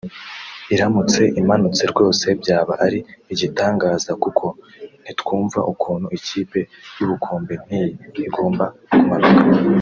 Iramutse imanutse rwose byaba ari igitangaza kuko ntitwumva ukuntu ikipe y’ubukombe nk’iyi igomba kumananuka